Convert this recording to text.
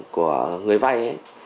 của người vay